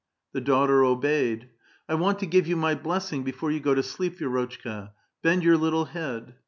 The daughter obeyed. '' I want to give you my blessing before you go to sleep, Vi^rotchka. Bend your little head."